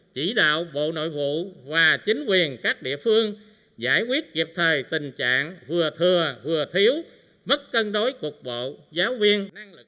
chỉ đạo bộ nội vụ và chính quyền các địa phương giải quyết kịp thời tình trạng vừa thừa vừa thiếu mất cân đối cục bộ giáo viên